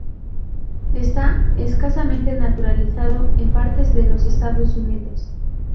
Está escasamente naturalizado en partes de los Estados Unidos.